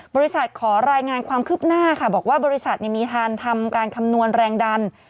บริษัทขอรายงานความคืบหน้าค่ะบอกว่าบริษัทมีทานทำการคำนวณแรงดัน